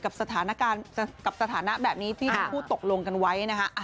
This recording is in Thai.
กับสถานะแบบนี้ที่ทั้งคู่ตกลงกันไว้นะฮะ